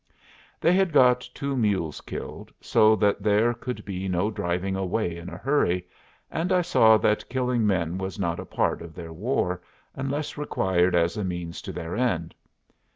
They had got two mules killed, so that there could be no driving away in a hurry, and I saw that killing men was not a part of their war, unless required as a means to their end.